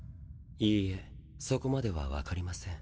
いいえそこまでは分かりません。